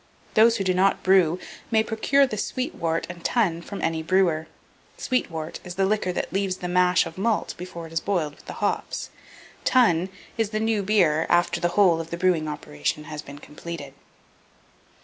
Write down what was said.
Those who do not brew, may procure the sweet wort and tun from any brewer. Sweet wort is the liquor that leaves the mash of malt before it is boiled with the hops; tun is the new beer after the whole of the brewing operation has been completed.